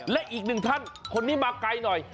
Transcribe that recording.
และอีกหนึ่งท่านคนนี้มาไกลหน่อย